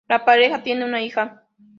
La pareja tiene una hija.